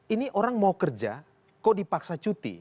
ini orang mau kerja kok dipaksa cuti